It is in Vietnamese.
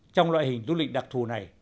trong loại hình du lịch đặc thù này